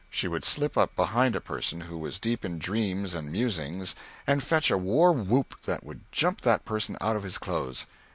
She would slip up behind a person who was deep in dreams and musings and fetch a war whoop that would jump that person out of his clothes.